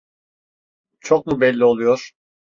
Çok mu belli oluyor?